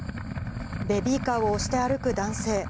ベビーカーを押して歩く男性。